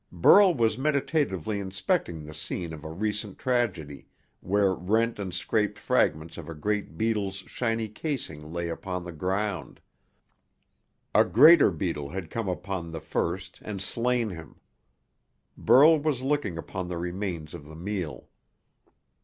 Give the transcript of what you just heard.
Burl was meditatively inspecting the scene of a recent tragedy, where rent and scraped fragments of a great beetle's shiny casing lay upon the ground. A greater beetle had come upon the first and slain him. Burl was looking upon the remains of the meal.